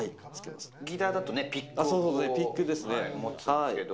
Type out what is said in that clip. ギターだとピックを持つんですけど。